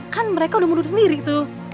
kan mereka udah mundur sendiri tuh